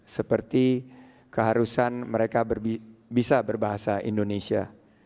seperti keharusan mereka bisa berbahasa indonesia